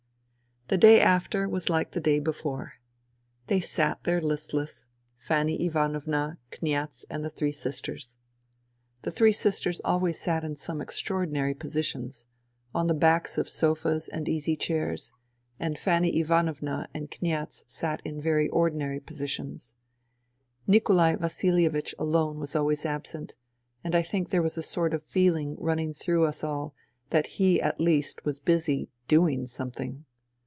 ... The day after was like the day before. They sat there listless — Fanny Ivanovna, Kniaz and the three sisters. The three sisters always sat in some extraordinary positions, on the backs of sofas and easy chairs, and Fanny Ivanovna and Kniaz sat in very ordinary positions. Nikolai Vasilievich alone was always absent ; and I think there was a sort of feeling running through us all that he at least was busy, doing something.